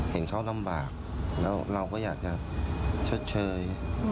เห็นเขาลำบากแล้วเราก็อยากจะชดเชย